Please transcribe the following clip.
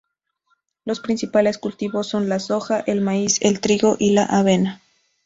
Los principales cultivos son la soja, el maíz, el trigo y la avena.